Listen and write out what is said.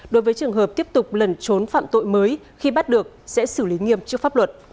đối với trường hợp tiếp tục lần trốn phạm tội mới khi bắt được sẽ xử lý nghiêm trước pháp luật